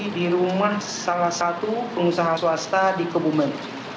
di rumah salah satu pengusaha swasta di kebumen